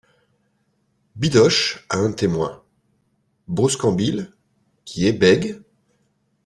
Bidoche a un témoin, Bruscambille, qui est bègue.